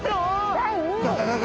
第２位！